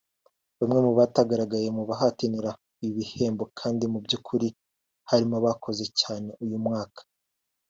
Bamwe mu batagaragaye mu bahatanira ibi bihembo kandi mu by'ukuri harimo n'abakoze cyane uyu mwaka